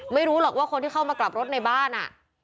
ไม่รู้หรอกว่าคนที่เข้ามากลับรถในบ้าน